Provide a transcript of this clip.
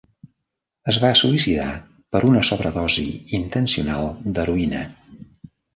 Es va suïcidar per una sobredosi intencional d'heroïna.